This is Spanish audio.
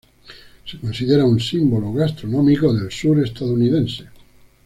Se considera un símbolo gastronómico del sur estadounidense.